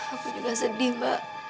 aku juga sedih mbak